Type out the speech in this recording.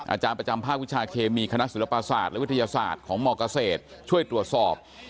อาจารย์ประจำภาควิชาเคมีคณะศิลปศาสตร์และวิทยาศาสตร์ของมเกษตรช่วยตรวจสอบ